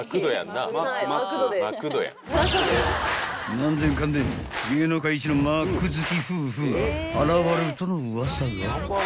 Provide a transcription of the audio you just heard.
［何でんかんでん芸能界一のマック好き夫婦が現れるとのウワサが］